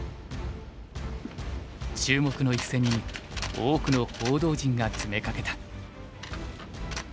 注目の一戦に多くの報道陣が詰めかけた。